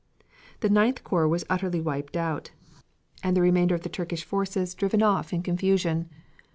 The Ninth corps was utterly wiped out, and the remainder of the Turkish forces driven off in confusion.